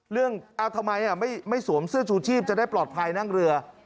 ทำไมไม่สวมเสื้อชูชีพจะได้ปลอดภัยนั่งเรือ